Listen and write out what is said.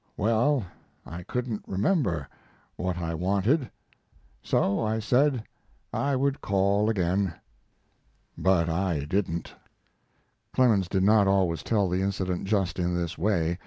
Well, I couldn't remember what I wanted, so I said I would call again. But I didn't." Clemens did not always tell the incident just in this way.